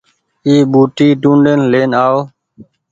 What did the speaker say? اي ٻوٽي ڊونڊين لين آئو